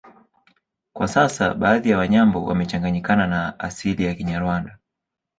Kwa sasa baadhi ya Wanyambo wamechanganyikana na asili ya Kinyarwanda